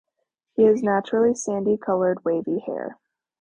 He has naturally sandy-colored wavy hair.